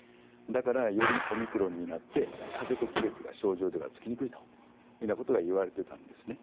だからよりオミクロンになって風邪と区別が症状ではつきにくいというのがいわれていたんですね。